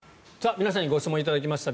皆さんにご質問を頂きました。